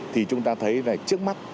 thì chúng ta thấy là trước mắt